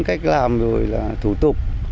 cách làm rồi là thủ tục